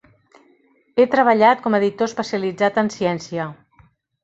He treballat com a editor especialitzat en ciència.